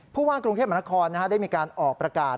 ผู้ว่ากรุงเทพมหานครได้มีการออกประกาศ